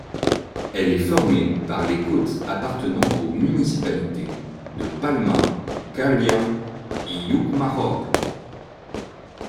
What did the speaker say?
Elle est formée par les côtes appartenant aux municipalités de Palma, Calviá et Llucmajor.